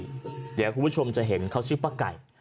เดี๋ยวคุณผู้ชมจะเห็นเขาชื่อป้าไก่